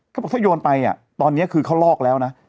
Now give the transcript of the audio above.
เขาบอกถ้าโยนไปตอนนี้คือเขาลอกแล้วนะ